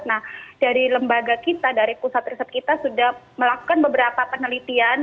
nah dari lembaga kita dari pusat riset kita sudah melakukan beberapa penelitian